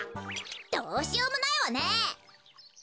どうしようもないわね！